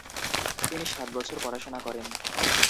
তিনি সাত বছর পড়াশোনা করেন।